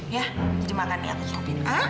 ya makan ya aku supin